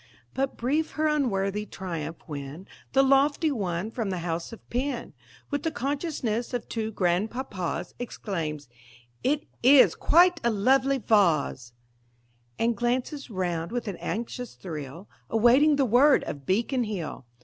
But brief her unworthy triumph when The lofty one from the house of Penn, With the consciousness of two grandpapas, Exclaims: "It is quite a lovely vahs!" And glances round with an anxious thrill, Awaiting the word of Beacon Hill.